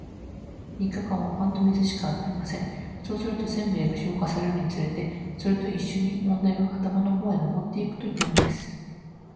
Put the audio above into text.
三日間は、パンと水しか与えません。そうすると、煎餅が消化されるにつれて、それと一しょに問題は頭の方へ上ってゆくというのです。